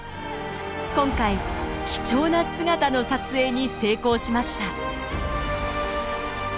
今回貴重な姿の撮影に成功しました。